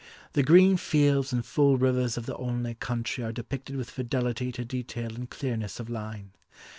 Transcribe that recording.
The green fields and full rivers of the Olney country are depicted with fidelity to detail and clearness of line.